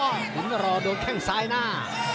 สิ้นรอโดนแค่งซ้ายหน้า